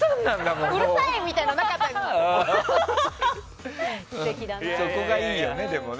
うるさい！みたいなのなかったですね。